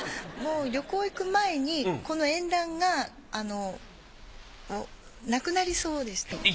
もう旅行行く前にこの縁談がなくなりそうでした。